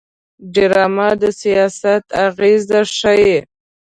ډرامه د سیاست اغېز ښيي